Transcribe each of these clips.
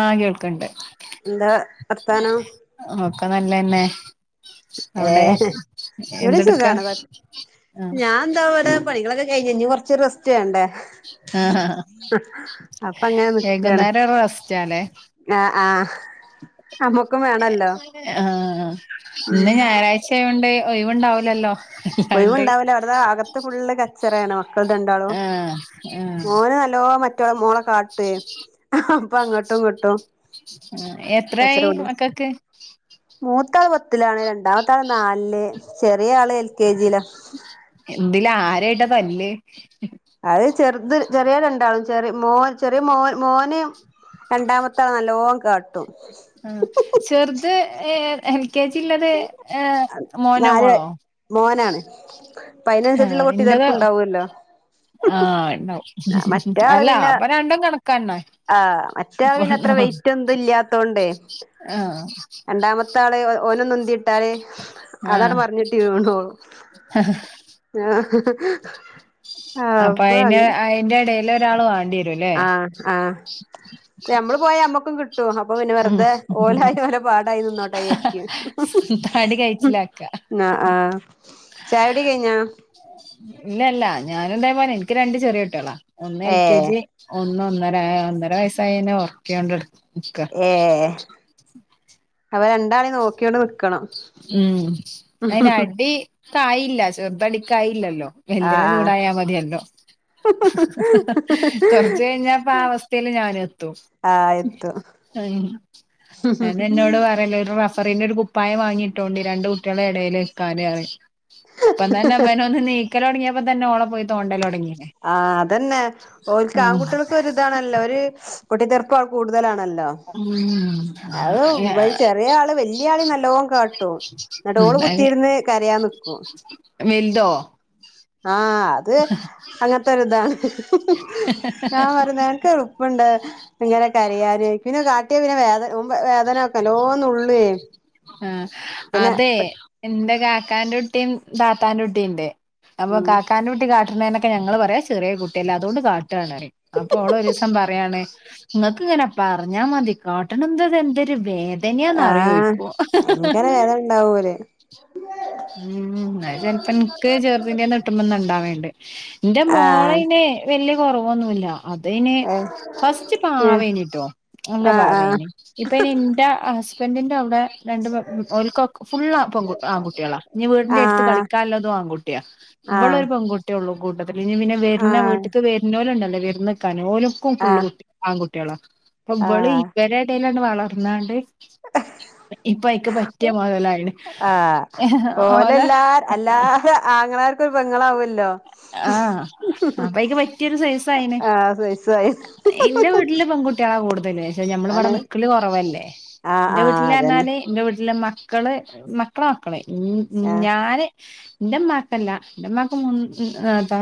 ആഹ് കേൾക്കണ്ട് എന്താ വർത്താനം ഒക്കെ നല്ലെന്നെ ഏ എവിടെ ഇവിടെ എന്തെടുക്ക സുഖാണ് കൊ ആഹ ഞാൻ എന്താ ഇവിടെ പണികളൊക്കെ കയ്ഞ്ഞ് ഇഞ്ഞ് കൊറച്ച് ഒരു റെസ്റ്റ് വേണ്ടേ അപ്പ അങ്ങനെ നിക്കാണ് വൈകുന്നേരം റസ്റ്റാല്ലേ ആഹ് ആഹ് ആഹ ഉം ഇന്ന് ഞായറാഴ്ച ആയോണ്ട് ഒഴിവുണ്ടാവുലല്ലോ ഒഴിവുണ്ടാവൂല അവടെ അതാ അകത്ത് ഫുള്ള് ക ച്ചറ്യാണ് മക്കള് രണ്ടാളും ആഹ് ആഹ് മോന് നല്ലോ മറ്റോ മോളെ കാട്ടേ അപ്പൊ അങ്ങട്ടും ഇങ്ങട്ടും ഉം എത്രായി മക്കക്ക് മൂത്താള് പത്തിലാണ് രണ്ടാമത്താള് നാലില് ചെറിയ ആള് എൽ കെ ജിയില ഇതില് ആരായിട്ടാ തല്ല് അത് ചെറ്ത് ചെറ്യേ രണ്ടാളും ചെറെ മോ ചെറിയ മോ മോന് രണ്ടാമത്താളെ നല്ലോം കാട്ടും അത് എൽ കെ ജിള്ളത് ഏ മോനോ മോളോ അപ്പ അയ്നൻസരിച്ചുള്ള പൊട്ടിതർപ്പ്ണ്ടാവ്യല്ലോ ആഹ ണ്ടാവും അല്ല അപ്പം രണ്ടും കണക്കാ ന്നാൽ ആഹ മറ്റോൻ പിന്നെ അത്ര വെയിറ്റും എന്തും ഇല്ലാത്തോണ്ടെ ആഹ് രണ്ടാമത്തെ ആള് ഓനൊന്ന് ഉന്തിട്ടാല് ആഹ് അതാണ്ട് മർഞ്ഞെട്ടി വീണോളും ഞാ ഹഹഹ് അപ്പൊ അയിന് അയിന്റെ എടേല് ഒരാള് വാണ്ട്യെരും ആഹ് ആഹ്അത് ഞമ്മള് പോയാ ഞമ്മക്കും കി ട്ടും അപ്പൊ പിന്നെ ഉം വെറുതെ ഓലായി ഓലെ പാടായി നിന്നോട്ടെ വിചാരിയ്ക്കും താടി കഴിച്ചിലാക്ക ഉം ആഹ് ചായുടി കയ്ഞ്ഞാ ഇല്ലല്ല ഞാനും ഇതേ പോലെ ഇൻക്ക് രണ്ട് ചെറ്യേ കുട്ടേളാ ഒന്ന് എൽ ഏ കെ ജി ഒന്ന് ഒന്നര ഒന്നര വയസ്സായെനെ ഓർക്യോണ്ട് നിക്ക ഏ അപ്പ രണ്ടാളേം നോക്കിയോണ്ട് നിക്കണം ഉം അയ്ന് അടിക്കായീല്ല ചെർതടിക്കായീല്ലല്ലോ ആ വെൽതിനെ ആ ചൂടായാ മതിയല്ലോ കൊറച്ച് കയ്ഞ്ഞ ഇപ്പാ അവസ്ഥീല് ഞാനും എത്തും ആഹ് എത്തും ഉം അയെന്നാ ഇന്നോട് പറല് ഒരു റഫറിന്റെ ഒരു കുപ്പായം വാങ്ങിട്ടോണ്ടി രണ്ട് കു കുട്ടേളെ എടേല് നിക്കാന് പറയും ഇപ്പം തന്നെ ഇവനൊന്ന് നീ ക്കലൊടങ്ങേപ്പം തന്നെ ഓളെ പോയി തോണ്ടലൊടങ്ങീന് ആഹ് അതന്നെ ഓൽക്ക് ആൺകുട്ടേൾക്ക് ഒരിതാണല്ലോ ഒര് പൊട്ടിതെർപ്പോൾ കൂടുതലാണല്ലോ ഉം അത് ഇവല് ചെറേ ആള് വല്യ ആളിം നല്ലോം കാട്ടും ഇന്നട്ടോള് ഉം അയിന് കുത്തിയിരുന്ന് കരയാ ൻ നിക്കും വലുതോ ആഹ് അത് അങ്ങൻത്തൊരിതാണ് ഞാൻ പറിം നിനക്ക്എൾപ്പുണ്ട് ഇങ്ങനെ കരയാന് ഓയ്കും പിന്നെ കാട്ട്യാ പിന്നെ വേദന ഓൻ വേദനാക്കും നല്ലോം നുള്ള്യേ ആഹ് അതെ ഇന്റെ കാക്കാന്റെ കുട്ടിം താത്താന്റെ കുട്ടിണ്ട് അപ്പം ഉം കാക്ക കാക്കാൻ ന്റെ കുട്ടി കാട്ട്നേനൊക്കെ ഞങ്ങള് പറിം അത് ചെറ്യേ കുട്ടിയല്ലേ അതോണ്ട് കാട്ടാണ് റിം അപ്പൊ ഓള് ഒരീസം പറയാണ് ഇങ്ങക്ക് ഇങ്ങനെ പറഞ്ഞാ മതി കാട്ട്ണതെന്തൊര് വേദ ആഹ് തെങ്ങനെയാന്യാന്നറിയോയ്ക്കും ഭയങ്കര വേദന ഉണ്ടാവൂലേ ഊം അത് ചെൽപ്പം ഇൻക്ക് ചെറുതിന്റെന്ന് കിട്ടുമ്പൊന്ന് ഇണ്ടാവേണ്ട് ഇന്റെ ആഹ് മോളയ്ന് വല്യ കൊറവൊന്നുല്ല അതയ്ന് ഏഹ് ഫസ്റ്റ് പാവെയ്നിട്ടോ നല്ല ആഹ് ആഹ് പാവേനി ഇപ്പയ്ന് ഇന്റെ ഹസ് ടെന്റിന്റെ അവുടെ രണ്ട് ഓൽക്കൊക് ഫുള്ള് പെ ആ ആൺകുട്ട്യാളാ ഞ്ഞി വീടിന്റെ എട്ത്ത് ആഹ് കളിക്കാല്ലതു ആൺകുട്ടിയാ ഇവിളൊരു പെൺകുട്ട്യോള്ളൂ കൂട്ടത്തില ഇഞ്ഞി പിന്നെ വെര്ന്ന ആഹ് വീട്ട്ക്ക് വെർനോല്ണ്ടല്ലോ വിര്ന്ന്ക്കാനോലും ക്കും ആഹ് ആഹ് പുള്ളുട്ട ആൺകുട്ട്യാള അപ്പൊ ഇവള് ആഹ് ഇവരെടേലാണ് വളർന്നാണ്ട് ഇപ്പയ്ക്ക് പറ്റിയ മുതലായിണ് ആഹ് ഓലെ ആങ്ങളാർക്കൊരു പെങ്ങളാവല്ലോ ആഹ് അപ്പയ്ക്ക് പറ്റിയൊരു സെയ്‌സയിണ് ആഹ് സൈസായി ഇന്റെ വീട്ടില് പെങ്കുട്ടി ട്ട്യാളാ കൂടുതല് ക്ഷേ നമ്മളിവിടെ ആണ് നിക്കല് കുറവല്ലേ ആഹ് ന്റെ ആഹ് അതന്നെ വീട്ടില്ർന്നാല് ന്റെ വീട്ടില് മക്കള് മക്കളെ മക്കള് ആഹ് ഞാന് ന്റെമ്മാക്കല്ല ന്റെമ്മാക്ക് മൂന്ന്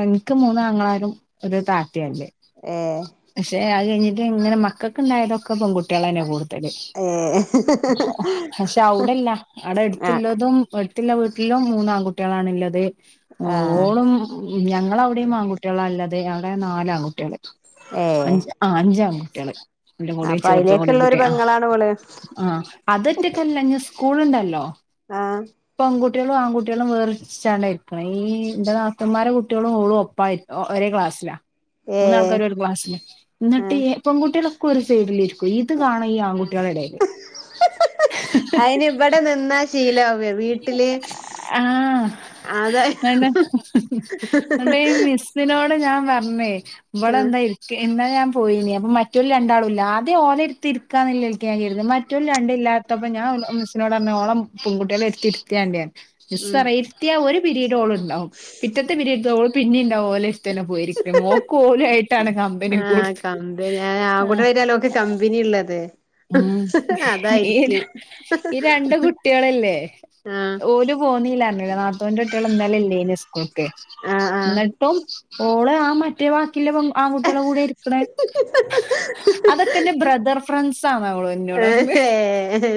ൻക്ക് മൂന്നാങ്ങളാരും ഒരു താത്തയാല്ലേ ഏഹ് പക്ഷെ അത് കഴിഞ്ഞിട്ട് ങ്ങള് മക്കക്ക്ണ്ടായതൊക്കെ പെൺകുട്ട്യാളെന്നെ കൂടു ഏഹ് പക്ഷെ അവ്ടെല്ല അവിടെ ആഹ് എടുത്തില്ലതും എട്ത്തില്ല വീട്ടിലും മൂന്നാൺകുട്ട്യാളാണ്ള്ളത് ആഹ് ഓളും ഞങ്ങളവടെയും ആൺകട്ട്യാളാല്ലത് അവിടെ നാല് ആൺകുട്ട്യാള് ഏഹ് അഞ്ച് ആഹ് അഞ്ചാങ്കുട്ട്യാള് ഇന്റെ കൂടെ അപ്പൊ ചെറുതും കൂടി അയിലേക്കുള്ള ഒരു കൂട്ടി ആഹ് പെങ്ങളാണ് ഓള് ആഹ് അതൊറ്റക്കല്ല ഞ്ഞി സ് കൂളുണ്ടല്ലോ ആഹ് പെൺകു കുട്ട്യാളും ആൺകുട്ട്യാളും വേറ്ര്ച്ചാണ്ടാ ഇരിക്ക്ണെ ഈ ഇന്റെ നാ ത്തൂമ്മാരെ കുട്ടിയേളും ഓളും ഒപ്പായിര് ഒ ഒരേ ക്ലാസ്സിലാ ഏഹ് മൂന്നാൾക്കാരും ഒരു ക്ലാസ്സില ഇന്നട്ട് ആഹ് ഈ പൺകുട്ട്യാളൊക്കെ ഒരു സൈഡിലിരി ഈത് കാണു ഈ ആൺകുട്ട്യാളെടേല് അയിന് ഇവിടെ നിന്നാ ശീലാവേ വീട്ടില് ആഹ് അതെ ഇന്നട്ട് ഈ മിസ്സിനോട് ഞാൻ പർഞ്ഞേ ആഹ് ഇവളെന്താ ഇ ക്കി എന്നാ ഞാൻ പോയിനി അപ്പൊ മറ്റോല് രണ്ടാളും ഇല്ല ആദ്യം ഓലെട്ത്തിരിക്കാന്നില്ലെൽക്കാ ഞാൻ കര്തേ മറ്റൊല് രണ്ടില്ലാ പ്പൊ ഞാൻ ഓൽ മിസ്സിനോടർഞ്ഞു ഓളെ പെൺകുട്ട്യാളെട്ത്തിര്ത്തിയാണ്ടിയർഞ്ഞു ഉം മിസ്സറിയാ ഇര്ത്തിയാ ഒരു പിരീഡോള്ണ്ടാവും പിറ്റത്തെ പിരീഡോള് പിന്നിണ്ടാവും ഓലെര് ത്തന്നെ പോയിരിക്ക്ണ് ഓക്ക് ഓലു ആയിട്ടാണ് കമ്പനി കൊടുത്ത് ആഹ് [unintelligible] കമ്പിനിള്ളത് ഉം ഈ ഈ ഈ രണ്ട് കുട്ട്യാളല്ലേ ആഹ് ഓല് പോന്നില്ലാർഞ്ഞിലേ നാത്തൂന്റെട്ട്യാള് ഇന്നലെല്ലേനി സ്കൂൾ ക്ക് ആഹ് ആഹ് ഇന്നട്ടും ഓള് ആ മറ്റേ വ ക്കില്ല പെൺ ആൺകുട്ട്യാളെ കൂടെ ഇര്ക്ക്ണെ അതൊക്കെന്റെ ബ്രദർ ഫ്രണ്ട്സാന്ന ഓള് ഏഹ്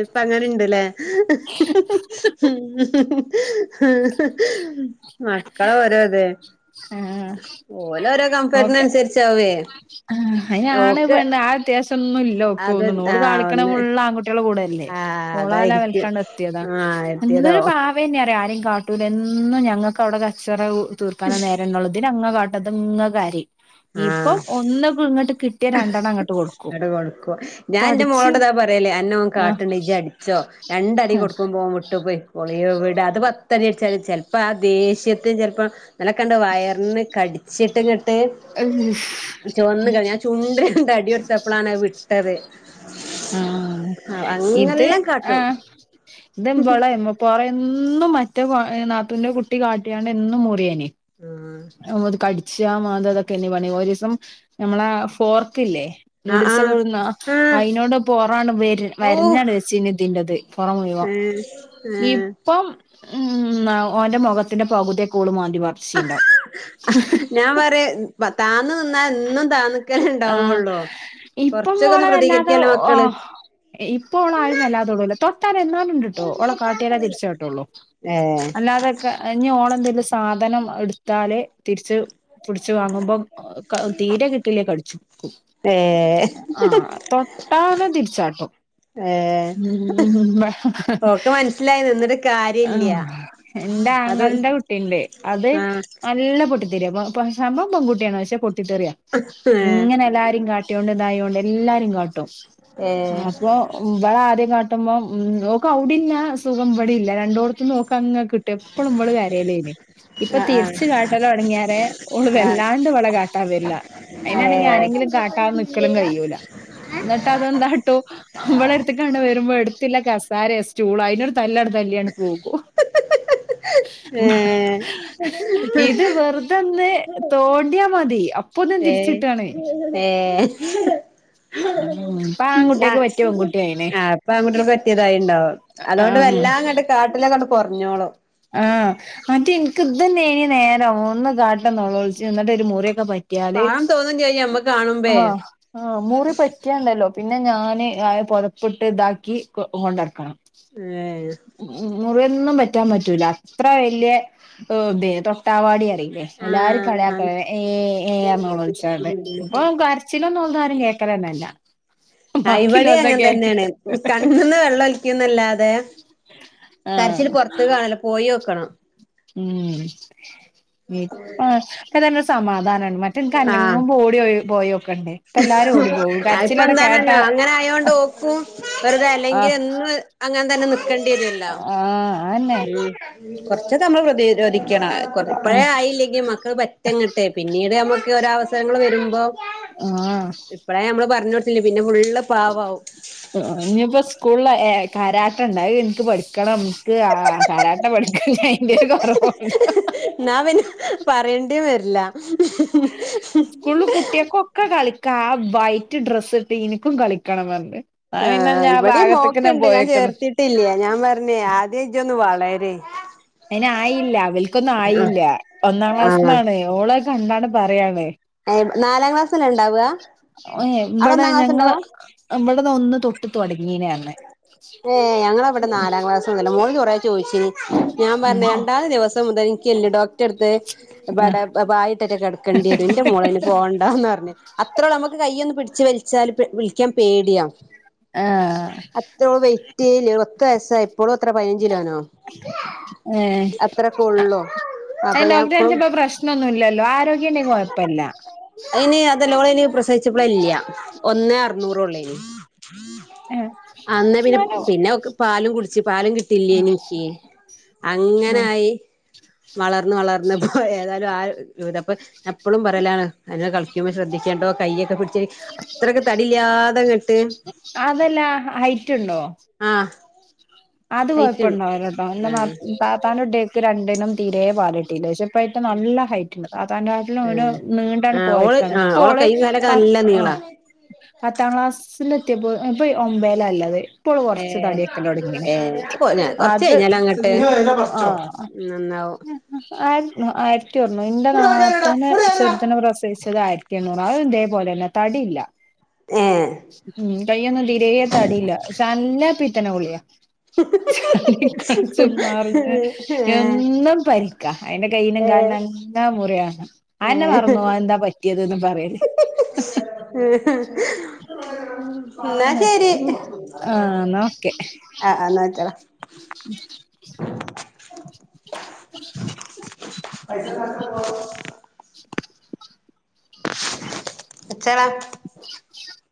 ഇപ്പങ്ങനെണ്ട്ല്ലേ മക്കളെ ഓരോ ഇതെ അഹ് ആഹ് ഓക്കെ അനുസരിച്ചാവേ ആഹ് അയ്ന് ആണ് ഓക്ക് പെണ്ണ് ആ വ്യത്യാസൊന്നു അത് ല്ലോക്കോന്നുള്ളൂ ഓള് ആ കാളിക്കണ ഒന്ന് ഫുള്ള് ആൺകുട്ട്യാളെ കൂടെ ഇല്ലെ ആ ഓളാ അതായിരിക്കും ലെവൽക്കാണ്ടെത്തിയതാ ആ എത്തിയതോ എന്നരു പാ വേ ഞ്ഞറിയ ആരിം കാട്ടൂല എന്നും ഞങ്ങക്ക് അവടെ കച്ചറ തീർക്കാനേ നേരന്നള്ളു ഇതിനങ്ങനെ കാ ഇത്ങ്ങ കരിം ആഹ ഇപ്പം ഒന്ന്പ്പ ഇങ്ങട്ട് കിട്ടിയ രണ്ടെണ്ണം അങ്ങ അങ്ങട് കൊടുക്കും ഞാൻന്റെ മോളോട്താ പറയല് അന്നോൻ ആഹ് കാട്ട്ണ്ടെ ഇജടിച്ചോ രണ്ടടി ആഹ് കൊടുക്കുമ്പോൻ വിട്ട് പോയി ക്കോളും എവിട അത് പത്തടി അടിച്ചാലും ചെൽപ്പോ ആ ദേഷ്യത്തിൽ ചെൽപ്പോ ഇന്നലെക്ക്ണ്ട് വയറിന് കടിച്ചിട്ട്ങ്ങട്ട് ചൊവന്നു കഴി ഞാൻ ചുണ്ടിന് രണ്ടടി കൊട് ത്തപ്പളാണ് അത് വിട്ടത് അ അങ്ങെല്ലാം കാട്ടും ഇത്വ്വളെ മെ പൊറെന്നും മറ്റേ വ നാത്തൂന്റെ കുട്ടി കാട്ടിയാണ്ട് എന്നും മുറിയേനി [unintelligible] അത് കട്ച്ച മാന്താ അതൊ ക്കേനി പണി ഒരീസം നമ്മളേ ആ ഫോർക്ക്‌ല്ലേ ആഹ് നൂഡിൽസൊക്കെ ആഹ് ഒഴുന്ന ആഹ് അയിനോട് പൊറാണ് വേ ഔ വരഞ്ഞാണ് വെച്ചീനി ഇതിന്റെത് പൊറം മുയിവം [unintelligible] ഇപ്പം ഉം അവ ഓന്റെ മുഖത്തിന്റെ പകുതിയൊക്കെ ഓള് മാന്തി പർച്ചീണ്ടാവും ഞാൻ പറിയെ ബ താന്നു നിന്നാ എന്നും താന്ന് ക്കലേ ആഹ് ഇണ്ടാവൊള്ളൂ കൊറച്ചൊക്കെന്ന് പ്രതികരിക്കല്ലോ മക്കള് ഇ ഇപ്പ ഓളെ ആരും വല്ലാതെ തൊടൂല തൊട്ടാൽ എന്നാലും ഉണ്ട്ട്ടോ ഓളെ കാട്ടിയാലെ തിരിച്ച് കാട്ടൊള്ളു ഏഹ് അതൊക്കെ ഇഞ്ഞ് ഓളെ എന്തെങ്കിലും സാധനം എടുത്താലേ തിരിച്ച് പിടിച്ചു വാങ്ങുമ്പോ തീരെ കിട്ടില്ലേ കടിച്ചു ഏഹ് ആഹ് തൊട്ടാല് തിരിച്ചാട്ടും ഏഹ് ഉം ആഹ് ഓക്ക് മനസ്സിലായി നിന്നിട്ട് കാര്യല്ല എന്റെ അത് ആങ്ങളന്റെ കുട്ടിണ്ട് അത് ആഹ് നല്ല പൊട്ടി തെരിയാ പൊ പം സംഭവം പെൺകുട്ടിയാണ് പക്ഷെ പൊട്ടിത്തെറിയ ഏഹ് ങ്ങനെ എല്ലാരും കാ ട്ട്യോണ്ട് ഇതായോണ്ട് എല്ലാരിം കാട്ടും ഏഹ് അപ്പൊ ഉം ഇവള ആദ്യം കാട്ടുമ്പോം ഓക്ക് അവടില്ല സുഖം ഇവിടെ ഇല്ല രണ്ടോടത്തന്ന് ഓക്ക് അങ്ങ് കി ട്ടും എപ്പളും ഇവള് കരയലേഞ് ഇപ്പൊ ആഹ് തിരിച്ചു കാട്ടലൊട്ങ്യേരെ ഓള് ആഹ് ആഹ് വല്ലാണ്ട് വളെ കാ വര്ല അയിനാണെങ്കി ഏഹ് ആരെങ്കിലും കാട്ടാത നിൽക്കലും കഴിയൂല എന്നട്ട് അതെന്താട്ടും ഇവളെട്ത്ത്ക്കാണ്ട് വരുമ്പോ എടുത്തില്ല കസാരേ സ്റ്റൂളോ അയ്നൊരു തല്ലട് തല്ലിയാണ്ട് പോകും ഏഹ് ഇത് വെറുതെന്ന് തോണ്ടിയാ മതി അപ്പൊന്നും ഏഹ് തിരിച്ചിട്ടാണ് ഏഹ് ആം ഉം ആഹ് അപ്പൊ ആൺകുട്ട്യേൾക് പറ്റെതായിണ്ടാവും അതുകൊണ്ട് ആഹ് വല്ലാങ്ങട്ട് കാട്ടലെക്കെട് കുറഞ്ഞോളും ആഹ് മറ്റേ എന്ക്ക്ഇതേന്നേന് നേരം ഒന്ന് കാട്ട നോലോളിച്ച് എന്നിട്ട് ഒരു മുറിയൊക്കെ പ റ്റ്യാല് പാവം തോന്നും ചെയ്യും നമ്മക്ക് കാണുമ്പേ അഹ് ആഹ് മുറി പറ്റിയാണ്ടല്ലോ പിന്നെ ഞാന് അ പൊതപ്പിട്ട് ഇതാക്കി കൊ കൊണ്ടടക്കണം ഏഹ് മുറിയൊന്നും പറ്റാൻ പ റ്റൂല അത്ര വലിയ എ തൊട്ടാവാടി അറി എല്ലാരും ആഹ് കളിയാകല ഏ ഏ നോലോളിചാണ്ട് ച്ചിലൊന്നും ഓൾതാരും കേൾക്കലെന്നെല്ലാ ആഹ് ഇവടി അങ്ങൻ തന്നെയാണ് കണ്ണ്ന്ന് വെള്ള ഒലിക്കിന്നല്ലാതെ കരച്ചില് പോറത്ത് ആഹ് കാണൂല പോയൊക്കണം ഉം ഇപ്പൊഏതായാലൊരു സമാധാനാണ് മ ആഹ് ട്ട്ൻക്കനങ്ങുമ്പോ ഓടി പോയോക്കണ്ടേ ഇപ്പ എല്ലാരും ഓടി പോവും കരച്ചിലോവിടെ കേട്ടാ ഫോൺ വെറുതെ അല്ലെങ്കി എന്നും അങ്ങനെ തന്നെ നിക്കേണ്ടിരോ അഹ് ആഹ് അതന്നെ ഉം കൊറചോക്കെ നമ്മൾ പ്രതിരോധിക്കണം ഇപ്പഴേ ആയില്ലെങ്കി മക്കൾ പ റ്റെ ങ്ങട്ടെ പിന്നീട് നമ്മുക്ക് ഓരോ അവസരങ്ങൾ വരുമ്പോ ആഹ് ഇപ്പളേ നമ്മള് പറഞ്ഞോട്ത്തില്ലേ പിന്നെ ഫുള്ള് പാവാവും ഇഞ്ഞിഇപ്പോ സ്കൂളില് കരാട്ടണ്ട് അഹ് ഇൻക്ക് പഠിക്കണം ഇൻക്ക് ആ കരാട്ട പഠിക്കണം ഇനിഅയിന്റെ ഒരു കുറവുണ്ട് ന്നപിന്നേ പറയേണ്ടി വരില്ല കൂൾള് കുട്ടിയാക്കൊക്കെ കളിക്കാ ആ വൈറ്റ് ഡ്രസ്സ് ഇട്ട് എനിക്കും കളിക്കണം പറണ്ട് ന്നപിന്നെ ഞാ ഭാഗത്ത്ക്ക്ന്നേ പോയക്കന്ന് ട്ടില്ല ഞാൻ പറഞ്ഞേ ആദ്യം ഇജൊന്ന് വളര് അയിന് ആയില്ല അവൽക്കൊന്നും ആഹ് ആയില്ല ഒന്നാം ആഹ് ക്ലാസ്ന്നാണ് ഓള കണ്ടാണ്ട് പറയാണ് [unintelligible] നാലാം ക്ലാസ് ന്നെ ണ്ടാവാ അവിടെ ഇവിടെ ഒന്നാം ഞങ്ങള് ഇവിടന്ന് ഒന്ന് തൊട്ട് തുടങ്ങീനെർഞ് ഏഹ് ഞങ്ങളവിടെ നാലാം ക്ലാസ് മുതല മോള് കുറേ ചോയ്ച്ചിനി ഞാൻ പർഞ്ഞ് രണ്ടാമത്തെ ദിവസം മുതൽ ഇൻക്ക് എല്ല് ഡോക്ടറെ എട്ത്ത് ഇബടെ ആഹ് പ പായിട്ടറ്റെ കെടക്കണ്ടി വരും ഇൻ്റെ മോളയ്ന് പോവണ്ടാന്നർഞ്ഞ്. അത്രേ ഉള്ള് നമ്മുക്ക് കയ്യൊന്ന് പിടിച്ച് വെലിച്ചാല് പെ വിളിക്കാൻ പേടിയാ. ആഹ് [unintelligible] വെയിറ്റേ ഇല്ല്യ പത്ത് വയസ്സായ ഇപ്പളും അത്ര പതിനഞ്ച് കിലോനോ. ഏഹ് ഒള്ളോ [unintelligible] ഡോക്ടറെ കാണിച്ചപ്പം പ്രശ്നം ഒന്നുല്ലല്ലോ ആരോഗ്യം ഇണ്ടെങ്കി കൊഴപ്പല്ല. അയ്ന് അതല്ല ഓള അയിന് പ്രസിച്ചപ്പളെ ഇല്ല ഒന്നേ അറുന്നൂറൊള്ളേയ്നി. ഏഹ് അന്നേ പിന്നെ ഉമ്മാന്റെ പിന്നെ ഓക്ക് പാലും കുടിച്ച് പാലും കിട്ടില്ലേനി ഇൻക്കി. ആഹ് അങ്ങനായി വളർന്ന് വളർന്ന് പോയതാ ഏതായാലും ആ [unintelligible] ഇപ്പ ഞാൻ ഇപ്പളും പറയലാണ്. അതിനെ കളിക്കുമ്പോ ശ്രദ്ധിക്കണ്ടോ കയ്യക്കെ പുടി ച്ച് അത്രക്ക് തടില്ലാതെങ്ങട്ട് അതല്ല ഹൈറ്റ് ഉണ്ടോ ആ അത് കൊഴപ്പം ഇണ്ടാവുലട്ടോ ഇൻ്റെ മാ ആഹ് താത്താന്റെ കുട്ട്യേക്ക് രണ്ടിനും തീരെ പാല്ട്ടില്ല പക്ഷേ ഇപ്പയ്റ്റ നല്ല ഹൈറ്റ് ഇണ്ട് താത്താന്റെ കാട്ടിലും ഓന് ആഹ് നീണ്ടാണ് പോയക്കാണ് ഇപ്പോ ഓള് ലൊക്കെ പത്ത് നല്ല ആഹ് നീളാ പത്താം ക്ലാസ്സില് എത്തിയപ്പോ ഇപ്പ ഒമ്പേല ഇല്ലത് ഇപ്പഴു കൊർച്ച് ഏഹ് തടി വെക്കലൊടങ്ങിണ്. ഏഹ് കൊറച്ച് അത് കഴിഞ്ഞാലങ്ങട്ട് ആ അ നന്നാവും ഉം ആയി ആയിരത്തി ഒന്ന് ഇന്റെ നാത്തൂന് ചെർതിനെ പ്രസവി ച്ചത് ആയിരത്തി എണ്ണൂറ അത് ഇതേ പോലല്ല തടി ഇല്ല ഏഹ് ഉം കയ്യൊന്നും തീ രേ തടിയില്ല പക്ഷേ നല്ല പിത്തന കൊള്ളിയാ. [unintelligible] ഏ എന്നും പനി അയിന്റെ കയ്യിനും ഏ കാൽനും അങ്ങ മുറിയാ അഹന്നെ മറന്നോവും അഹന്താ പറ്റിയത് ന്ന് പറയല്. ഉ ഇന്നാ ആഹ് ശരി ആ ആ ഇന്നാ വെച്ചാള. ഉ [inaudible] ഉ [unintelligible] വെച്ചാള [unintelligible]